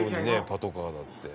パトカーだって。